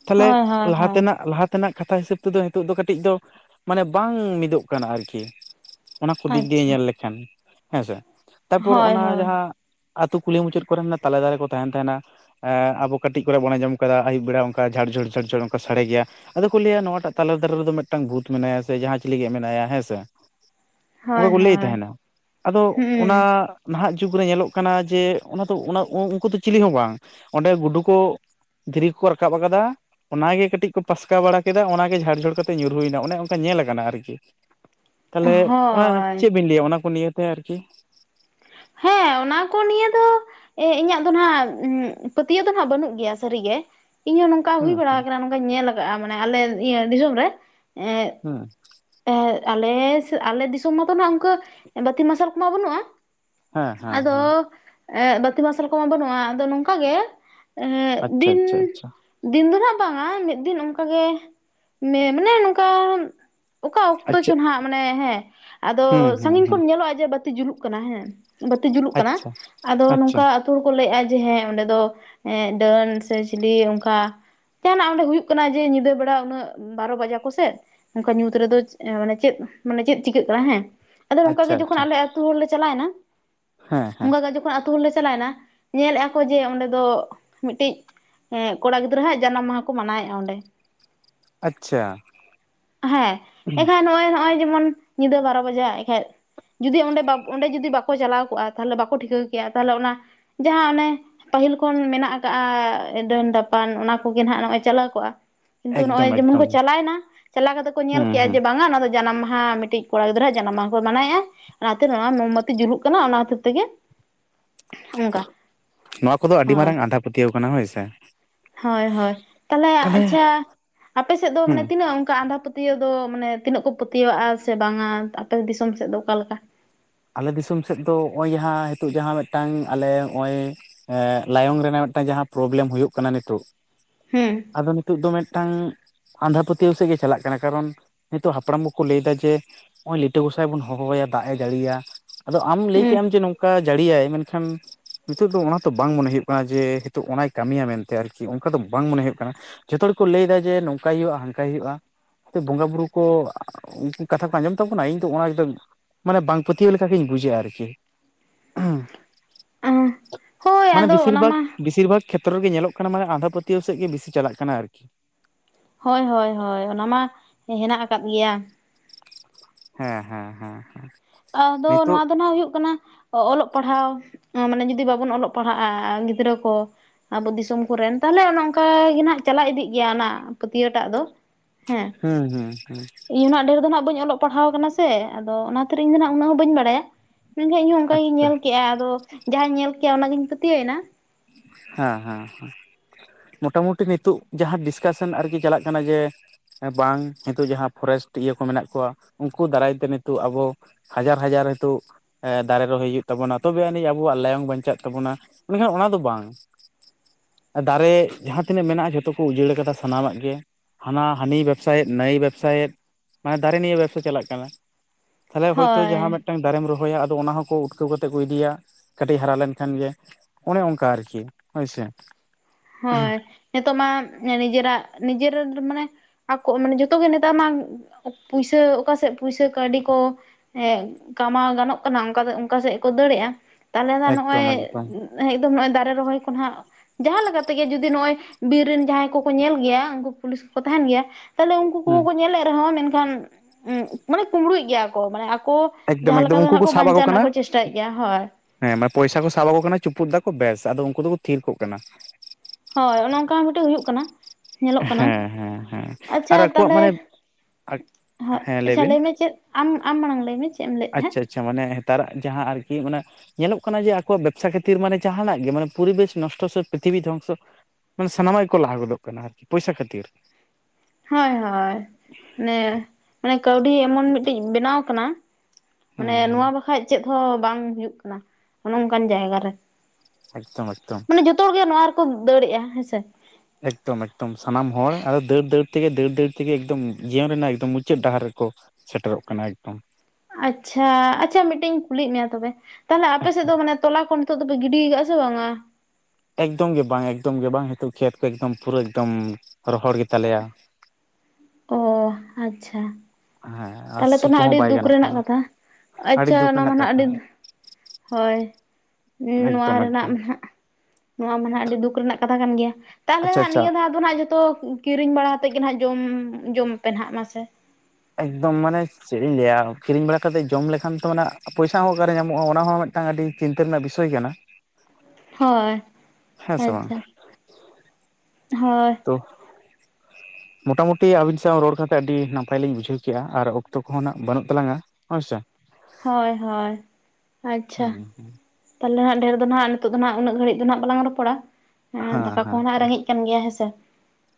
ᱛᱟᱦᱚᱞᱮ ᱦᱳᱭ ᱦᱳᱭ ᱞᱟᱦᱟ ᱦᱳᱭ ᱛᱮᱱᱟᱜ ᱞᱟᱦᱟ ᱛᱮᱱᱟᱜ ᱠᱟᱛᱷᱟ ᱦᱤᱥᱟᱹᱵ ᱛᱮᱫᱚ ᱱᱤᱛᱚᱜ ᱫᱚ ᱠᱟᱹᱴᱤᱡ ᱫᱚ ᱢᱟᱱᱮ ᱵᱟᱝ ᱢᱤᱫᱚᱜ ᱠᱟᱱᱟ ᱟᱨᱠᱤ ᱚᱱᱟ ᱠᱚ ᱫᱤᱠ ᱫᱤᱭᱮ ᱟᱪᱪᱷᱟ ᱧᱮᱞ ᱞᱮᱠᱷᱟᱱ ᱦᱮᱸ ᱥᱮ ᱛᱟᱨᱯᱚᱨ ᱦᱳᱭ ᱚᱱᱟ ᱦᱳᱭ ᱡᱟᱦᱟᱸ ᱟ ᱟᱹᱛᱩ ᱠᱩᱞᱦᱤ ᱢᱩᱪᱟᱹᱫ ᱠᱚᱨᱮ ᱛᱟᱞᱮ ᱫᱟᱨᱮ ᱠᱚ ᱛᱟᱦᱮᱱ ᱛᱟᱦᱮᱱᱟ ᱟᱵᱚ ᱠᱟᱹᱴᱤᱡ ᱠᱚᱨᱮ ᱵᱚᱱ ᱟᱧᱡᱚᱢ ᱠᱚ ᱟᱹᱭᱩᱵ ᱵᱮᱲᱟ ᱚᱱᱠᱟ ᱡᱷᱟᱲ ᱡᱷᱩᱲ ᱡᱷᱟᱲ ᱡᱷᱩᱲ ᱚᱱᱠᱟ ᱥᱟᱰᱮ ᱜᱮᱭᱟ ᱟᱫᱚ ᱠᱚ ᱞᱟᱹᱭᱟ ᱱᱚᱣᱟᱴᱟᱜ ᱛᱟᱞᱮ ᱫᱟᱨᱮ ᱨᱮᱫᱚ ᱢᱤᱫᱴᱟᱝ ᱵᱷᱩᱛ ᱢᱮᱱᱟᱭᱟ ᱥᱮ ᱡᱟᱸᱦᱟᱪᱤᱞᱤ ᱢᱮᱱᱟᱭᱟ ᱦᱮᱸ ᱥᱮ ᱦᱳᱭ ᱚᱱᱠᱟ ᱠᱚ ᱞᱟᱹᱭ ᱦᱳᱭ ᱛᱟᱦᱮᱱᱟ ᱟᱫᱚ ᱚᱱᱟ ᱦᱩᱸ ᱱᱟᱦᱟᱜ ᱡᱩᱜᱽ ᱨᱮ ᱧᱮᱞᱚᱜ ᱠᱟᱱᱟ ᱡᱮ ᱚᱱᱟ ᱫᱚ ᱚᱱᱟ ᱩᱱᱠᱩ ᱫᱚ ᱪᱤᱞᱤ ᱦᱚᱸ ᱵᱟᱝ ᱚᱸᱰᱮ ᱜᱩᱰᱩ ᱠᱚ ᱫᱷᱤᱨᱤ ᱠᱚ ᱨᱟᱠᱟᱵ ᱟᱠᱟᱫᱟ ᱚᱱᱟᱜᱮ ᱠᱟᱹᱴᱤᱡ ᱠᱚ ᱯᱟᱥᱠᱟ ᱵᱟᱲᱟ ᱠᱮᱫᱟ ᱚᱱᱟᱜᱮ ᱡᱷᱟᱲ ᱡᱷᱩᱲ ᱠᱟᱛᱮᱫ ᱧᱩᱨᱦᱩᱭᱱᱟ ᱚᱱᱮ ᱚᱱᱠᱟ ᱧᱮᱞ ᱠᱟᱱᱟ ᱟᱨᱠᱤ ᱛᱟᱦᱚᱞᱮ ᱚᱱᱟ ᱦᱳᱭ ᱪᱮᱫ ᱵᱤᱱ ᱞᱟᱹᱭᱟ ᱚᱱᱟ ᱠᱚ ᱱᱤᱭᱮᱛᱮ ᱟᱨᱠᱤ ᱦᱮᱸ ᱚᱱᱟ ᱠᱚ ᱱᱤᱭᱮ ᱫᱚ ᱮ ᱤᱧᱟᱹᱜ ᱫᱚ ᱦᱟᱜ ᱯᱟᱹᱛᱭᱟᱹᱣ ᱫᱚ ᱦᱟᱜ ᱵᱟᱹᱱᱩᱜ ᱜᱮᱭᱟ ᱥᱟᱹᱨᱤᱜᱮ ᱤᱧᱦᱚᱸ ᱱᱚᱝᱠᱟ ᱚᱱᱠᱟ ᱦᱮᱸ ᱦᱩᱭ ᱵᱟᱲᱟ ᱦᱮᱸ ᱟᱠᱟᱱᱟ ᱱᱚᱝᱠᱟᱧ ᱧᱮᱞ ᱟᱠᱟᱫᱼᱟ ᱢᱟᱱᱮ ᱟᱞᱮ ᱤᱭᱟᱹ ᱫᱤᱥᱚᱢ ᱨᱮ ᱦᱮᱸ ᱮ ᱟᱞᱮ ᱟᱞᱮ ᱫᱤᱥᱚᱢ ᱢᱟᱛᱚ ᱱᱟᱜ ᱚᱱᱠᱟ ᱵᱟᱹᱛᱤ ᱢᱟᱨᱥᱟᱞ ᱠᱚᱢᱟ ᱵᱟᱹᱱᱩᱜᱼᱟ ᱾ ᱦᱮᱸ ᱟᱫᱚ ᱦᱮᱸ ᱵᱟᱹᱛᱤ ᱢᱟᱨᱥᱟᱞ ᱠᱚᱢᱟ ᱵᱟᱹᱱᱩᱜᱼᱟ ᱟᱫᱚ ᱱᱚᱝᱠᱟᱜ ᱜᱮ ᱮᱸᱜ ᱟᱪᱪᱷᱟ ᱫᱤᱱ ᱟᱪᱪᱷᱟ ᱟᱪᱪᱷᱟ ᱫᱤᱱ ᱫᱚ ᱱᱟᱜ ᱵᱟᱝ-ᱟ ᱢᱤᱫ ᱫᱤᱱ ᱚᱱᱠᱟ ᱜᱮ ᱢᱟᱱᱮ ᱱᱚᱝᱠᱟ ᱚᱠᱟ ᱚᱠᱛᱚ ᱪᱚ ᱟᱪᱪᱷᱟ ᱱᱟᱦᱟᱜ ᱢᱟᱱᱮ ᱦᱮᱸ ᱟᱫᱚ ᱦᱮᱸ ᱦᱮᱸ ᱥᱟᱺᱜᱤᱧ ᱦᱮᱸ ᱠᱷᱚᱱ ᱧᱮᱞᱚᱜᱼᱟ ᱡᱮ ᱵᱟᱹᱛᱤ ᱡᱩᱞᱩᱜ ᱠᱟᱱᱟ ᱦᱮᱸ ᱵᱟᱹᱛᱤ ᱡᱩᱞᱩᱜ ᱠᱟᱱᱟ ᱟᱪᱪᱷᱟ ᱟᱫᱚ ᱟᱪᱪᱷᱟ ᱱᱚᱝᱠᱟ ᱟᱹᱛᱩ ᱦᱚᱲ ᱠᱚ ᱞᱟᱹᱭᱮᱫᱼᱟ ᱡᱮ ᱦᱮᱸ ᱚᱸᱰᱮ ᱫᱚ ᱮ ᱰᱟᱹᱱ ᱥᱮ ᱪᱤᱞᱤ ᱚᱱᱠᱟ ᱡᱟᱦᱟᱱᱟᱜ ᱚᱸᱰᱮ ᱦᱩᱭᱩᱜ ᱠᱟᱱᱟ ᱡᱮ ᱧᱤᱫᱟᱹ ᱵᱮᱲᱟ ᱩᱱᱟᱹᱜ ᱵᱟᱨᱚ ᱵᱟᱡᱟ ᱠᱚ ᱥᱮᱜ ᱚᱱᱠᱟ ᱧᱩᱛ ᱨᱮᱫᱚ ᱪᱮᱫ ᱢᱟᱱᱮ ᱪᱮᱫ ᱪᱤᱠᱟᱹᱜ ᱠᱟᱱᱟ ᱦᱮᱸ ᱟᱫᱚ ᱱᱚᱝᱠᱟ ᱟᱪᱪᱷᱟ ᱜᱮ ᱡᱚᱠᱷᱚᱱ ᱟᱪᱪᱷᱟ ᱟᱞᱮ ᱟᱹᱛᱩ ᱟᱹᱛᱩ ᱦᱚᱲ ᱞᱮ ᱪᱟᱞᱟᱣ ᱮᱱᱟ ᱦᱮᱸ ᱦᱮᱸ ᱚᱱᱠᱟ ᱜᱮ ᱡᱚᱠᱷᱚᱱ ᱟᱛᱩ ᱦᱚᱲ ᱞᱮ ᱪᱟᱞᱟᱣ ᱮᱱᱟ ᱧᱮᱞ ᱞᱮᱜ ᱟ ᱠᱚ ᱡᱮ ᱚᱸᱰᱮ ᱫᱚ ᱢᱤᱫᱴᱤᱡ ᱦᱮᱸ ᱠᱚᱲᱟ ᱜᱤᱫᱽᱨᱟᱹ ᱦᱟᱜ ᱡᱟᱱᱟᱢ ᱢᱟᱦᱟ ᱠᱚ ᱢᱟᱱᱟᱣᱮᱫᱼᱟ ᱚᱸᱰᱮ ᱟᱪᱪᱷᱟ ᱮᱱᱠᱷᱟᱡ ᱱᱚᱜᱼᱚᱭ ᱱᱚᱜᱼᱚᱭ ᱡᱮᱢᱚᱱ ᱧᱤᱫᱟᱹ ᱵᱟᱨᱚ ᱵᱟᱡᱟᱜ ᱮᱱᱠᱷᱟᱡ ᱡᱩᱫᱤ ᱚᱸᱰᱮ ᱵᱟᱠ ᱚᱸᱰᱮ ᱡᱩᱫᱤ ᱵᱟᱠ ᱪᱟᱞᱟᱣ ᱠᱚᱜᱼᱟ ᱛᱟᱦᱚᱞᱮ ᱵᱟᱠᱚ ᱴᱷᱤᱠᱟᱹ ᱠᱮᱭᱟ ᱛᱟᱦᱚᱞᱮ ᱚᱱᱟ ᱡᱟᱦᱟᱸ ᱚᱱᱮ ᱯᱟᱹᱦᱤᱞ ᱠᱷᱚᱱ ᱢᱮᱱᱟᱜ ᱟᱠᱟᱜᱼᱟ ᱰᱟᱹᱱ ᱰᱟᱯᱟᱱ ᱚᱱᱟ ᱠᱚᱜᱮ ᱱᱟᱜ ᱱᱚᱜᱼᱚᱭ ᱪᱟᱞᱟᱣ ᱠᱚᱜᱼᱟ ᱠᱤᱱᱛᱩ ᱮᱠᱫᱚᱢ ᱱᱚᱜᱼᱚᱭ ᱡᱮᱢᱚᱱ ᱮᱠᱫᱚᱢ ᱠᱚ ᱪᱟᱞᱟᱣᱱᱟ ᱪᱟᱞᱟᱣ ᱠᱟᱛᱮ ᱠᱚ ᱧᱮᱞ ᱦᱩᱸ ᱦᱩᱸ ᱵᱟᱝᱼᱟ ᱱᱚᱣᱟ ᱫᱚ ᱡᱟᱱᱟᱢ ᱢᱟᱦᱟ ᱢᱤᱴᱤᱡ ᱠᱚᱲᱟ ᱜᱤᱫᱽᱨᱟᱹᱣᱟᱜ ᱡᱟᱱᱟᱢ ᱢᱟᱦᱟ ᱠᱚ ᱢᱟᱱᱟᱣᱮᱫᱼᱟ ᱚᱱᱟ ᱛᱮ ᱢᱳᱢᱵᱟᱛᱤ ᱡᱩᱞᱩᱜ ᱠᱟᱱᱟ ᱚᱱᱟ ᱠᱷᱟᱹᱛᱤᱨ ᱛᱮᱜᱮ ᱚᱱᱠᱟ ᱱᱚᱣᱟ ᱠᱚᱫᱚ ᱟᱹᱰᱤ ᱦᱳᱭ ᱢᱟᱨᱟᱝ ᱟᱸᱫᱷᱟ ᱯᱟᱹᱛᱭᱟᱹᱣ ᱠᱟᱱᱟ ᱦᱳᱭ ᱥᱮ ᱦᱳᱭ ᱦᱳᱭ ᱛᱟᱦᱚᱞᱮ ᱟᱪᱪᱷᱟ ᱟᱯᱮ ᱥᱮᱫ ᱫᱚ ᱦᱩᱸ ᱢᱟᱱᱮ ᱛᱤᱱᱟᱹᱜ ᱚᱱᱠᱟ ᱟᱸᱫᱷᱟ ᱯᱟᱹᱛᱭᱟᱹᱣ ᱯᱟᱹᱛᱭᱟᱹᱣ ᱫᱚ ᱢᱟᱱᱮ ᱛᱤᱱᱟᱹᱜ ᱠᱚ ᱯᱟᱹᱛᱭᱟᱹᱣᱟᱜᱼᱟ ᱥᱮ ᱵᱟᱝᱼᱟ ᱟᱯᱮ ᱫᱤᱥᱚᱢ ᱥᱮᱫ ᱫᱚ ᱚᱠᱟ ᱞᱮᱠᱟ ᱟᱞᱮ ᱫᱤᱥᱚᱢ ᱥᱮᱫ ᱫᱚ ᱚᱸᱭ ᱦᱟᱜ ᱱᱤᱛᱚᱜ ᱡᱟᱦᱟᱸ ᱢᱤᱫ ᱴᱟᱝ ᱟᱞᱮ ᱚᱸᱭ ᱮᱸ ᱞᱟᱭᱚᱝ ᱨᱮᱱᱟᱜ ᱢᱤᱫ ᱴᱟᱝ ᱡᱟᱦᱟᱸ ᱯᱨᱚᱵᱞᱮᱢ ᱦᱩᱭᱩᱜ ᱠᱟᱱᱟ ᱱᱤᱛᱚᱜ ᱦᱩᱸ ᱟᱫᱚ ᱱᱤᱛᱳᱜ ᱫᱚ ᱢᱤᱫ ᱴᱟᱝ ᱟᱸᱫᱷᱟ ᱯᱟᱹᱛᱭᱟᱹᱣ ᱥᱮᱫ ᱜᱮ ᱪᱟᱞᱟᱜ ᱠᱟᱱᱟ ᱠᱟᱨᱚᱱ ᱱᱤᱛᱚᱜ ᱦᱟᱯᱲᱟᱢ ᱠᱚᱠᱚ ᱞᱟᱹᱭᱫᱟ ᱡᱮ ᱱᱚᱜ ᱚᱸᱭ ᱞᱤᱴᱟᱹ ᱜᱚᱸᱥᱟᱭ ᱵᱚᱱ ᱦᱚᱦᱚ ᱣᱟᱭᱟ ᱫᱟᱜ ᱮ ᱡᱟᱹᱲᱤᱭᱟ ᱟᱫᱚ ᱟᱢ ᱞᱟᱹᱭ ᱦᱩᱸ ᱠᱮᱼᱟᱢ ᱡᱮ ᱱᱚᱝᱠᱟ ᱚᱱᱠᱟ ᱡᱟᱹᱲᱤᱭᱟᱭ ᱢᱮᱱᱠᱷᱟᱱ ᱱᱤᱛᱚᱜ ᱫᱚ ᱚᱱᱟ ᱛᱚ ᱵᱟᱝ ᱢᱚᱱᱮ ᱦᱩᱭᱩᱜ ᱠᱟᱱᱟ ᱡᱮ ᱱᱤᱛᱚᱜ ᱚᱱᱟᱭ ᱠᱟᱹᱢᱤᱭᱟ ᱢᱮᱱᱛᱮ ᱟᱨᱠᱤ ᱚᱱᱠᱟ ᱫᱚ ᱵᱟᱝ ᱢᱚᱱᱮ ᱦᱩᱭᱩᱜ ᱠᱟᱱᱟ ᱡᱚᱛᱚ ᱦᱚᱲ ᱠᱚ ᱞᱟᱹᱭ ᱫᱟ ᱡᱮ ᱱᱚᱝᱠᱟᱭ ᱦᱩᱭᱩᱜᱼᱟ ᱦᱟᱱᱠᱟᱭ ᱦᱩᱭᱩᱜᱼᱟ ᱵᱚᱸᱜᱟ ᱵᱩᱨᱩ ᱠᱚ ᱩᱱᱠᱩ ᱠᱟᱛᱷᱟ ᱠᱚ ᱟᱸᱡᱚᱢ ᱛᱟᱵᱚᱱᱟ ᱤᱧᱫᱚ ᱚᱱᱟ ᱢᱟᱱᱮ ᱵᱟᱝ ᱯᱟᱹᱛᱭᱟᱹᱣ ᱞᱮᱠᱟ ᱜᱤᱧ ᱵᱩᱡᱮᱜ ᱟ ᱟᱨᱠᱤ ᱟᱸ ᱦᱳᱭ ᱢᱟᱱᱮ ᱟᱫᱚ ᱵᱮᱥᱤᱨ ᱚᱱᱟ ᱢᱟ ᱵᱷᱟᱜ ᱵᱮᱥᱤᱨ ᱵᱷᱟᱜ ᱠᱷᱮᱛᱨᱚ ᱨᱮᱜᱮ ᱧᱮᱞᱚᱜ ᱠᱟᱱᱟ ᱢᱟᱱᱮ ᱟᱸᱫᱷᱟ ᱯᱟᱹᱛᱭᱟᱹᱣ ᱥᱮᱜ ᱜᱮ ᱵᱤᱥᱤ ᱪᱟᱞᱟᱜ ᱠᱟᱱᱟ ᱟᱨᱠᱤ ᱦᱳᱭ ᱦᱳᱭ ᱦᱳᱭ ᱚᱱᱟ ᱢᱟ ᱦᱮᱱᱟᱜ ᱟᱠᱟᱫ ᱜᱮᱭᱟ ᱦᱮᱸ ᱦᱮᱸ ᱦᱮᱸ ᱦᱮᱸ ᱟᱫᱚ ᱱᱚᱣᱟ ᱫᱚ ᱱᱟᱜ ᱦᱩᱭᱩᱜ ᱠᱟᱱᱟ ᱚᱞᱚᱜ ᱯᱟᱲᱦᱟᱣ ᱢᱟᱱᱮ ᱡᱩᱫᱤ ᱵᱟᱵᱚᱱ ᱚᱞᱚᱜ ᱯᱟᱲᱦᱟᱜᱼᱟ ᱜᱤᱫᱽᱨᱟᱹ ᱠᱚ ᱾ ᱟᱵᱚ ᱫᱤᱥᱚᱢ ᱠᱚᱨᱮᱱ ᱛᱟᱦᱚᱞᱮ ᱚᱱᱮ ᱚᱱᱠᱟ ᱜᱮ ᱱᱟᱜ ᱪᱟᱞᱟᱜ ᱤᱫᱤᱜ ᱜᱮᱭᱟ ᱚᱱᱟ ᱯᱟᱹᱛᱭᱟᱹᱣ ᱴᱟᱜ ᱫᱚ ᱦᱮᱸ ᱦᱩᱸ ᱦᱩᱸ ᱦᱩᱸ ᱤᱧ ᱚᱱᱟᱹᱜ ᱰᱷᱮᱨ ᱫᱚ ᱦᱟᱸᱜ ᱵᱟᱹᱧ ᱚᱞᱚᱜ ᱯᱟᱲᱦᱟᱣ ᱠᱟᱱᱟ ᱥᱮ ᱟᱫᱚ ᱚᱱᱟ ᱛᱷᱤᱨᱱᱟᱜ ᱤᱧ ᱫᱚᱱᱟᱜ ᱩᱱᱟᱹᱜ ᱦᱚᱸ ᱵᱟᱹᱧ ᱵᱟᱲᱟᱭᱟ ᱢᱮᱱ ᱠᱷᱟᱱ ᱤᱧᱦᱚᱸ ᱚᱱᱠᱟ ᱜᱤᱧ ᱟᱪᱪᱷᱟ ᱧᱮᱞ ᱠᱮᱫᱼᱟ ᱟᱫᱚ ᱡᱟᱦᱟᱸᱧ ᱧᱮᱞ ᱠᱮᱫᱼᱟ ᱚᱱᱟᱜᱤᱧ ᱯᱟᱹᱛᱭᱟᱹᱮᱱᱟ ᱦᱮᱸ ᱦᱮᱸ ᱦᱮᱸ ᱢᱳᱴᱟ ᱢᱩᱴᱤ ᱱᱤᱛᱚᱜ ᱡᱟᱦᱟᱸ ᱰᱤᱥᱠᱟᱥᱚᱱ ᱟᱨᱠᱤ ᱪᱟᱞᱟᱜ ᱠᱟᱱᱟ ᱡᱮ ᱵᱟᱝ ᱱᱤᱛᱚᱜ ᱡᱟᱦᱟᱸ ᱯᱷᱚᱨᱮᱥᱴ ᱤᱭᱟᱹ ᱠᱚ ᱢᱮᱱᱟᱜ ᱠᱚᱣᱟ ᱩᱱᱠᱩ ᱫᱟᱨᱟᱭ ᱛᱮ ᱱᱤᱛᱚᱜ ᱟᱵᱚ ᱦᱟᱡᱟᱨ ᱦᱟᱡᱟᱨ ᱛᱩᱜ ᱫᱟᱨᱮ ᱨᱚᱦᱚᱭ ᱦᱩᱭᱩᱜ ᱛᱟᱵᱚᱱᱟ ᱛᱚᱵᱮ ᱟᱹᱱᱤᱡ ᱟᱵᱚᱣᱟᱜ ᱞᱟᱭᱚᱝ ᱵᱟᱧᱪᱟᱜ ᱛᱟᱵᱚᱱᱟ ᱢᱮᱱ ᱠᱷᱟᱱ ᱚᱱᱟ ᱫᱚ ᱵᱟᱝ ᱫᱟᱨᱮ ᱡᱟᱦᱟᱸ ᱛᱤᱱᱟᱹᱜ ᱢᱮᱱᱟᱜᱼᱟ ᱡᱷᱚᱛᱚ ᱠᱚ ᱩᱡᱟᱹᱲ ᱟᱠᱟᱫᱟ ᱥᱟᱱᱟᱢᱟᱜ ᱜᱮ ᱦᱟᱱᱟ ᱦᱟᱹᱱᱤ ᱵᱮᱵᱽᱥᱟᱭᱮᱫ ᱱᱟᱹᱭ ᱵᱮᱵᱽᱥᱟᱭᱮᱫ ᱢᱟᱱᱮ ᱫᱟᱨᱮ ᱱᱤᱭᱟᱹ ᱵᱮᱵᱽᱥᱟ ᱪᱟᱞᱟᱜ ᱠᱟᱱᱟ ᱛᱟᱦᱚᱞᱮ ᱦᱳᱭᱛᱳ ᱦᱳᱭ ᱡᱟᱦᱟᱸ ᱢᱤᱫ ᱢᱤᱫ ᱴᱟᱝ ᱫᱟᱨᱮᱢ ᱨᱚᱦᱚᱭᱟ ᱟᱫᱚ ᱚᱱᱟ ᱦᱚᱸᱠᱚ ᱩᱴᱠᱟᱹᱣ ᱠᱟᱛᱮ ᱠᱚ ᱤᱫᱤᱭᱟ ᱠᱟᱹᱴᱤᱡ ᱦᱟᱨᱟ ᱞᱮᱱ ᱠᱷᱟᱱ ᱜᱮ ᱚᱱᱮ ᱚᱱᱠᱟ ᱠᱟᱨᱠᱤ ᱦᱳᱭ ᱥᱮ ᱦᱳᱭ ᱱᱤᱛᱚᱜ ᱢᱟ ᱱᱤᱡᱮᱨᱟᱜ ᱱᱤᱡᱮᱨ ᱢᱟᱱᱮ ᱟᱠᱚ ᱢᱟᱱᱮ ᱡᱚᱛᱚ ᱜᱮ ᱱᱮᱛᱟᱨ ᱢᱟ ᱯᱩᱭᱥᱟᱹ ᱚᱠᱟᱥᱮᱫ ᱯᱩᱭᱥᱟᱹ ᱠᱟᱹᱣᱰᱤ ᱠᱚ ᱦᱮᱸ ᱠᱟᱢᱟᱣ ᱜᱟᱱᱚᱜ ᱠᱟᱱᱟ ᱚᱱᱠᱟ, ᱚᱱᱠᱟ ᱥᱮᱫ ᱠᱚ ᱫᱟᱹᱲᱮᱜᱼᱟ ᱛᱟᱦᱚᱞᱮ ᱫᱚ ᱱᱚᱜᱼᱚᱭ ᱮᱠᱫᱚᱢ ᱮᱠᱫᱚᱢ ᱮᱠᱫᱚᱢ ᱱᱚᱜᱚᱭ ᱫᱟᱨᱮ ᱨᱚᱦᱚᱭ ᱠᱚ ᱱᱟᱜ ᱡᱟᱦᱟᱸ ᱞᱮᱠᱟ ᱛᱮᱜᱮ ᱡᱩᱫᱤ ᱱᱚᱜᱼᱚᱭ ᱵᱤᱨ ᱨᱮᱱ ᱡᱟᱦᱟᱸᱭ ᱠᱚᱠᱚ ᱧᱮᱞ ᱜᱮᱭᱟ ᱩᱱᱠᱩ ᱯᱩᱞᱤᱥ ᱠᱚ ᱛᱟᱦᱮᱱ ᱜᱮᱭᱟ- ᱛᱟᱦᱞᱮ ᱩᱱᱠᱩ ᱠᱚᱦᱚᱸ ᱦᱮᱸ ᱠᱚ ᱧᱮᱞᱮᱫ ᱨᱮᱦᱚᱸ ᱢᱮᱱᱠᱷᱟᱱ, ᱢᱟᱱᱮ ᱠᱩᱸᱵᱽᱲᱩᱡ ᱜᱮᱭᱟ ᱠᱚ ᱢᱟᱱᱮ ᱟᱠᱚ ᱮᱠᱫᱚᱢ ᱡᱟᱦᱟᱸ ᱞᱮᱠᱟ ᱮᱠᱫᱚᱢ ᱫᱚ ᱩᱱᱠᱩ ᱦᱟᱸᱜ ᱠᱚ ᱥᱟᱵ ᱟᱠᱚ ᱵᱟᱧᱪᱟᱣ ᱨᱮᱱᱟᱜ ᱠᱟᱱᱟ ᱠᱚ ᱪᱮᱥᱴᱟᱭᱮᱫ ᱜᱮᱭᱟ ᱦᱳᱭ᱾ ᱦᱮᱸ ᱢᱟ ᱯᱚᱭᱥᱟ ᱠᱚ ᱥᱟᱵ ᱟᱠ ᱠᱟᱱᱟ ᱪᱩᱯᱩᱫ ᱫᱟᱠᱚ ᱵᱮᱥ ᱟᱫᱚ ᱩᱱᱠᱩ ᱫᱚᱠᱚ ᱛᱷᱤᱨ ᱠᱚᱜ ᱠᱟᱱᱟ᱾ ᱦᱳᱭ ᱚᱱᱮ ᱚᱱᱠᱟᱱ ᱠᱟᱹᱴᱤᱪ ᱦᱩᱭᱩᱜ ᱠᱟᱱᱟ᱾ ᱧᱮᱞᱚᱜ ᱠᱟᱱᱟ ᱦᱮᱸ ᱦᱮᱸ ᱦᱮᱸ ᱟᱪᱪᱷᱟ ᱟᱨ ᱟᱠᱚᱣᱟᱜ ᱛᱟᱦᱚᱞᱮ, ᱢᱟᱱᱮ ᱦᱮᱸ ᱟᱪᱪᱷᱟ ᱞᱟᱹᱭᱵᱤᱱ ᱞᱟᱹᱭᱢᱮ ᱪᱮᱫ? ᱟᱢ, ᱟᱢ ᱢᱟᱲᱟᱝ ᱞᱮᱭᱢᱮ᱾ ᱟᱪᱪᱷᱟ ᱟᱪᱪᱷᱟ ᱢᱟᱱᱮ ᱦᱮᱛᱟᱨᱟᱜ ᱡᱟᱦᱟᱸ ᱟᱨᱠᱤ ᱢᱟᱱᱮ ᱧᱮᱞᱚᱜ ᱠᱟᱱᱟ ᱡᱮ ᱟᱠᱚᱣᱟᱜ ᱵᱮᱵᱽᱥᱟ ᱠᱷᱟᱹᱛᱤᱨ ᱢᱟᱱᱮ ᱡᱟᱦᱟᱱᱟᱜ ᱜᱮ ᱢᱟᱱᱮ ᱯᱚᱨᱤᱵᱮᱥ ᱱᱚᱥᱴᱚ ᱥᱮ ᱯᱨᱤᱛᱷᱤᱵᱤ ᱫᱷᱚᱝᱥᱚ ᱢᱟᱱᱮ ᱥᱟᱱᱟᱢᱟᱜ ᱜᱮ ᱠᱚ ᱞᱟᱦᱟ ᱜᱚᱫᱚᱜ ᱠᱟᱱᱟ ᱟᱨᱠᱤ, ᱯᱚᱭᱥᱟ ᱠᱷᱟᱹᱛᱤᱨ᱾ ᱦᱚᱭ ᱦᱚᱭ ᱢᱟᱱᱮ, ᱢᱟᱱᱮ ᱠᱟᱹᱣᱰᱤ ᱮᱢᱚᱱ ᱢᱤᱫᱴᱤᱡ ᱵᱮᱱᱟᱣ ᱠᱟᱱᱟ ᱦᱮᱸ ᱢᱟᱱᱮ ᱦᱮᱸ ᱱᱚᱣᱟ ᱵᱟᱠᱷᱟᱡ ᱪᱮᱫ ᱦᱚᱸ ᱵᱟᱝ ᱦᱩᱭᱩᱜ ᱠᱟᱱᱟ, ᱚᱱᱮ ᱚᱱᱠᱟᱱ ᱡᱟᱭᱜᱟ ᱨᱮ᱾ ᱮᱠᱫᱚᱢ, ᱮᱠᱫᱚᱢ᱾ ᱡᱷᱚᱛᱚ ᱦᱚᱲ ᱜᱮ ᱱᱚᱣᱟ ᱨᱮᱠᱚ ᱫᱟᱹᱲᱮᱜᱼᱟ ᱦᱮᱸ ᱥᱮ? ᱮᱠᱫᱚᱢ ᱮᱠᱫᱚᱢ ᱥᱟᱱᱟᱢ ᱦᱚᱲ ᱟᱫᱚ ᱫᱟᱹᱲ ᱫᱟᱹᱲ ᱛᱮᱜᱮ ᱫᱟᱹᱲ ᱫᱟᱹᱲ ᱛᱮᱜᱮ ᱮᱠᱫᱚᱢ ᱡᱤᱭᱚᱱ ᱨᱮᱱᱟᱜ ᱮᱠᱫᱚᱢ ᱢᱩᱪᱟᱹᱫ ᱰᱟᱦᱟᱨ ᱨᱮᱠᱚ ᱥᱮᱴᱮᱨᱚᱜ ᱠᱟᱱᱟ ᱮᱠᱫᱚᱢ᱾ ᱟᱪᱪᱷᱟ ᱟᱪᱪᱷᱟ ᱢᱤᱫᱴᱮᱱ ᱤᱧ ᱠᱩᱞᱤᱭᱮᱫ ᱢᱮᱭᱟ ᱛᱚᱵᱮ᱾ ᱛᱟᱦᱚᱞᱮ ᱟᱯᱮ ᱥᱮᱫ ᱫᱚ ᱢᱟᱱᱮ ᱛᱚᱞᱟ ᱠᱚ ᱱᱤᱛᱚᱜ ᱫᱚᱯᱮ ᱜᱤᱰᱤ ᱠᱟᱜᱼᱟ ᱥᱮ ᱵᱟᱝᱟ? ᱮᱠᱫᱚᱢ ᱜᱮ ᱵᱟᱝ, ᱮᱠᱫᱚᱢ ᱜᱮ ᱵᱟᱝ ᱦᱚᱭᱛᱚ ᱠᱷᱮᱛ ᱠᱚ ᱮᱠᱫᱚᱢ ᱯᱩᱨᱟᱹ ᱮᱠᱫᱚᱢ ᱨᱚᱦᱚᱲ ᱜᱮᱛᱟᱞᱮᱭᱟ᱾ ᱚ ᱟᱪᱷᱟ᱾ ᱦᱮᱸ ᱟᱨ ᱥᱤ ᱠᱚᱦᱚᱸ ᱵᱟᱭ ᱜᱟᱱᱚᱜ ᱠᱟᱱᱟ, ᱠᱟᱛᱷᱟ ᱟᱹᱰᱤ ᱟᱪᱪᱷᱟ ᱫᱩᱠ ᱚᱱᱟ ᱢᱟ ᱨᱮᱱᱟᱜ ᱱᱟᱜ ᱠᱟᱛᱷᱟ᱾ ᱟᱹᱰᱤ ᱦᱳᱭ ᱱᱚᱣᱟ ᱮᱠᱫᱚᱢ ᱨᱮᱱᱟᱜ ᱮᱠᱫᱚᱢ ᱱᱟᱦᱟᱜ ᱱᱚᱣᱟ ᱢᱟ ᱟᱹᱰᱤ ᱫᱩᱠ ᱨᱮᱱᱟᱜ ᱠᱟᱛᱷᱟ ᱠᱟᱱ ᱜᱮᱭᱟ, ᱛᱟᱦᱚᱞᱮ ᱟᱪᱪᱷᱟ ᱟᱪᱪᱷᱟ ᱱᱤᱭᱟᱹ ᱫᱚᱷᱟᱣ ᱟᱫᱚ ᱱᱟᱜ ᱡᱚᱛᱚ ᱠᱤᱨᱤᱧ ᱵᱟᱲᱟ ᱛᱮ ᱜᱮ ᱱᱟᱦᱟᱜ ᱡᱚᱢ, ᱡᱚᱢ ᱯᱮ ᱱᱟᱦᱟᱜ ᱢᱟᱥᱮ᱾ ᱮᱠᱫᱚᱢ ᱢᱟᱱᱮ ᱪᱮᱫ ᱤᱧ ᱞᱟᱹᱭᱟ, ᱠᱤᱨᱤᱧ ᱵᱟᱲᱟ ᱠᱟᱛᱮᱫ ᱡᱚᱢ ᱞᱮᱠᱷᱟᱱ ᱛᱚ ᱚᱱᱟᱜ ᱯᱚᱭᱥᱟ ᱦᱚᱸ ᱚᱠᱟᱨᱮ ᱧᱟᱢᱚᱜᱼᱟ, ᱚᱱᱟ ᱦᱚᱸ ᱢᱤᱫᱴᱟᱝ ᱟᱹᱰᱤ ᱪᱤᱱᱛᱟᱹ ᱨᱮᱱᱟᱜ ᱵᱤᱥᱚᱭ ᱠᱟᱱᱟ᱾ ᱦᱳᱭ᱾ ᱦᱮᱸ ᱥᱮ ᱵᱟᱝ? ᱟᱪᱪᱷᱟ ᱦᱳᱭ ᱛᱳ ᱢᱚᱴᱟᱢᱩᱴᱤ ᱟᱵᱤᱱ ᱥᱟᱶ ᱨᱚᱲ ᱠᱟᱛᱮ ᱟᱹᱰᱤ ᱱᱟᱯᱟᱭ ᱞᱤᱧ ᱵᱩᱡᱷᱟᱹᱣ ᱠᱮᱜᱼᱟ, ᱟᱨ ᱚᱠᱛᱚ ᱠᱚᱦᱚᱸ ᱱᱟᱜ ᱵᱟᱹᱱᱩᱜ ᱛᱟᱞᱟᱝᱼᱟ᱾ ᱦᱳᱭ ᱥᱮ᱾ ᱦᱳᱭ ᱦᱳᱭ, ᱦᱮᱸ ᱟᱪᱪᱷᱟ᱾ ᱛᱟᱦᱚᱞᱮ ᱦᱟᱸᱜ ᱰᱷᱮᱨ ᱫᱚ ᱱᱟᱜ ᱱᱤᱛᱚᱜ ᱫᱚ ᱱᱟᱜ ᱩᱱᱟᱹᱜ ᱜᱷᱟᱹᱲᱤᱡ ᱫᱚ ᱵᱟᱞᱟᱝ ᱨᱚᱯᱚᱲᱟ᱾ ᱦᱮᱸ ᱫᱟᱠᱟ ᱠᱚᱦᱚᱸ ᱱᱟᱜ ᱨᱮᱸᱜᱮᱡ ᱠᱟᱱ ᱜᱮᱭᱟ ᱦᱮᱸᱥᱮ,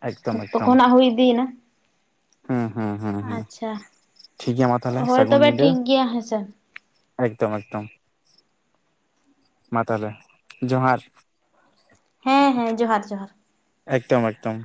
ᱮᱠᱫᱚᱢ ᱚᱠᱛᱚ ᱮᱠᱫᱚᱢ ᱠᱚᱦᱚᱸ ᱱᱟᱜ ᱦᱩᱭ ᱤᱫᱤᱭᱮᱱᱟ᱾ ᱦᱮᱸ ᱦᱮᱸ ᱦᱮᱸ ᱦᱮᱸ ᱟᱪᱪᱷᱟ ᱴᱷᱤᱠ ᱜᱮᱭᱟ ᱢᱟ ᱛᱟᱦᱚᱞᱮ ᱦᱳᱭ ᱥᱟᱹᱜᱩᱱ ᱛᱚᱵᱮ ᱧᱤᱫᱟᱹ ᱴᱷᱤᱠᱜᱮᱭᱟ ᱦᱮᱸᱥᱮ᱾ ᱮᱠᱫᱚᱢ, ᱮᱠᱫᱚᱢ ᱢᱟ ᱛᱟᱦᱚᱞᱮ ᱡᱚᱦᱟᱨ᱾ ᱦᱮᱸ ᱦᱮᱸ ᱡᱚᱦᱟᱨ ᱡᱚᱦᱟᱨ᱾ ᱮᱠᱫᱚᱢ ᱮᱠᱫᱚᱢ᱾